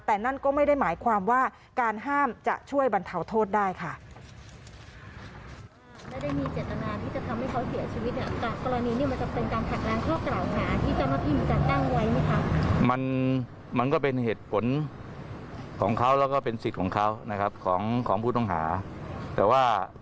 แต่นั่นก็ไม่ได้หมายความว่าการห้ามจะช่วยบรรเทาโทษได้ค่ะ